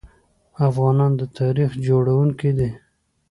افغانان د تاریخ جوړونکي دي.